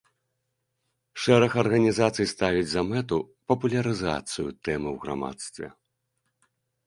Шэраг арганізацый ставіць за мэту папулярызацыю тэмы ў грамадстве.